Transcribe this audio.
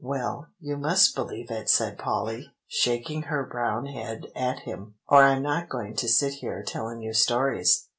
"Well, you must believe it," said Polly, shaking her brown head at him; "or I'm not going to sit here telling you stories.